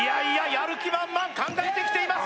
やる気満々考えてきています